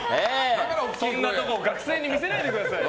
そんなとこ学生に見せないでくださいよ。